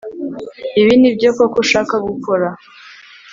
Ibi nibyo koko ushaka gukora